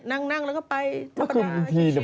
นั่งแล้วก็ไปธรรมดาชิว